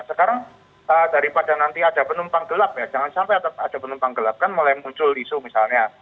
sekarang daripada nanti ada penumpang gelap ya jangan sampai ada penumpang gelap kan mulai muncul isu misalnya